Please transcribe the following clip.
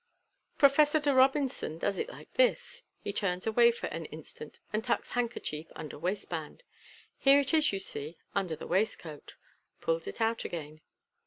" Professor De Robin son does it like this." (He turns away for an instant, and tucks handkerchief under waistband.) "Here it is, you see, under the waistcoat." (Pulls it out again.)